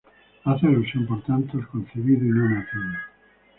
Hace alusión, por tanto, al concebido y no nacido.